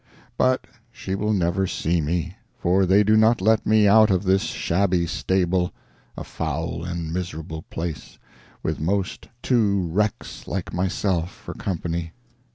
But she will never see me, for they do not let me out of this shabby stable—a foul and miserable place, with most two wrecks like myself for company.